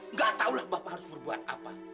nggak tahulah bapak harus berbuat apa